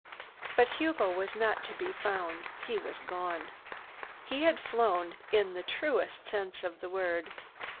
But Hugo was not to be found. He was gone. He had flown in the truest sense of the word.